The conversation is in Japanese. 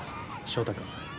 翔太君。